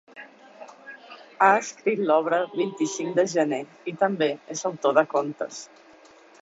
Ha escrit l’obra vint-i-cinc de gener i també és autor de contes.